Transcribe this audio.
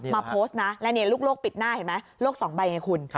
มาโพสต์นะและนี่ลูกโลกปิดหน้าเห็นไหมโลกสองใบให้คุณ